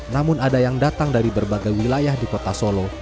namun ada yang datang dari berbagai wilayah di kota solo